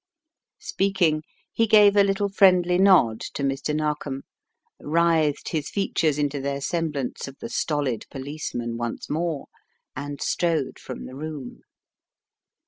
Speaking, he gave a little friendly nod to Mr. Narkom, writhed his features into their semblance of the stolid policeman once more, and strode from the room.